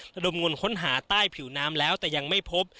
ระดมงนค้นหาใต้ผิวน้ำแล้วแต่ยังไม่พบ